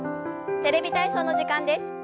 「テレビ体操」の時間です。